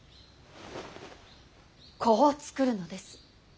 子を作るのです。